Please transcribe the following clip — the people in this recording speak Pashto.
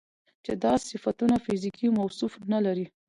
چې دا صفتونه فزيکي موصوف نه لري